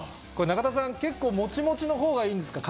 中田さん結構モチモチのほうがいいんですか？